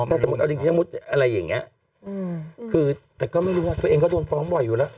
ถ้าสมมุติอะไรอย่างนี้แต่ก็ไม่รู้ว่าตัวเองเขาโดนฟ้องบ่อยอยู่แล้ว